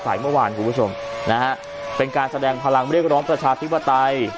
เมื่อวานคุณผู้ชมนะฮะเป็นการแสดงพลังเรียกร้องประชาธิปไตย